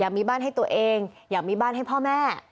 มีบ้านให้ตัวเองอยากมีบ้านให้พ่อแม่